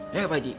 iya gak pak aji